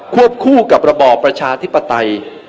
วบคู่กับระบอบประชาธิปไตย